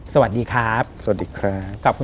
สวัสดีครับสวัสดีครับ